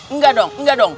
enggak dong enggak dong